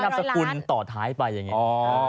เหมือนเป็นนับสกุลต่อท้ายไปอย่างนี้